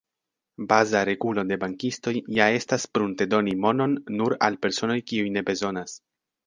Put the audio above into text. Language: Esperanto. Baza regulo de bankistoj ja estas pruntedoni monon nur al personoj kiuj ne bezonas.